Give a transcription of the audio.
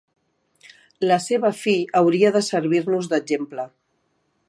La seva fi hauria de servir-nos d'exemple.